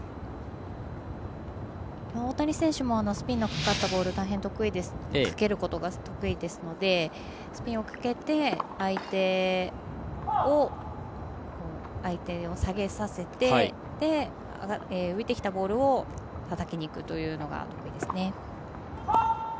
大谷選手もボールにスピンをかけることが得意ですのでスピンをかけて相手を下げさせて、浮いてきたボールをたたきにいくというのがですね。